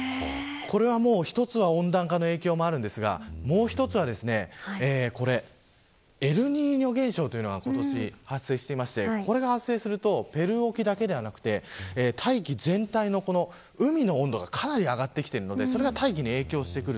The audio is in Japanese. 一つは温暖化の影響もありますがもう一つはエルニーニョ現象というのが今年発生していてこれが発生するとペルー沖だけではなくて大気全体の海の温度が上がってきてそれが大気に影響します。